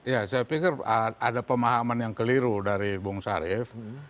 ya saya pikir ada pemahaman yang keliru dari bung sarif